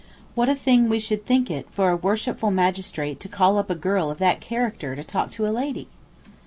What a thing we should think it for a worshipful magistrate to call up a girl of that character to talk to a lady!